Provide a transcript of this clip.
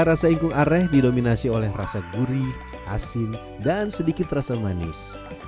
rasa ingkung areh didominasi oleh rasa gurih asin dan sedikit rasa manis